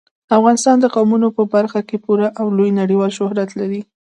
افغانستان د قومونه په برخه کې پوره او لوی نړیوال شهرت لري.